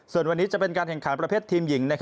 ส่วนวันนี้จะเป็นการแข่งขันประเภททีมหญิง